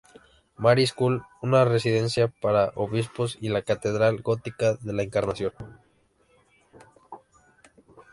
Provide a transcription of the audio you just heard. Mary’s School, una residencia para obispos y la Catedral Gótica de la Encarnación.